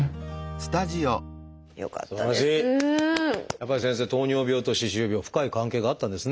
やっぱり先生糖尿病と歯周病深い関係があったんですね。